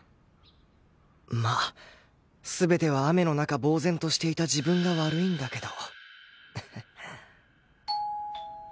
まあ全ては雨の中ぼうぜんとしていた自分が悪いんだけど